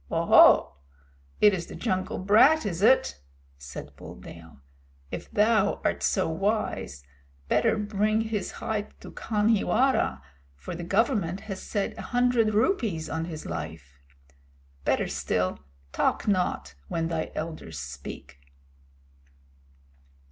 "Oho! It is the jungle brat, is it?" said Buldeo. "If thou art so wise, better bring his hide to Khanhiwara, for the Government has set a hundred rupees on his life. Better still, talk not when thy elders speak."